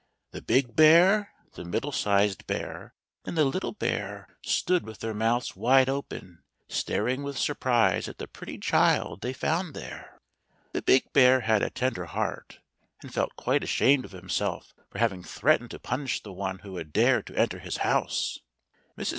The big bear, the middle sized bear, and the little bear stood with their mouths wide open, staring with surprise at the pretty child they found there. The big bear had a tender heart, and felt quite ashamed of himself for having threatened to punish the one who had dared to enter his house. Mrs.